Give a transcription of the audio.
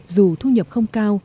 dù thu nhập không cao